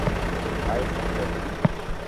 ۽ مسرت هئي